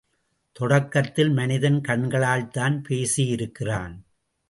தொடக்கத்தில் மனிதன் கண்களால்தான் பேசியிருக்கிறான்.